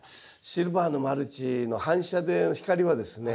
シルバーのマルチの反射で光はですね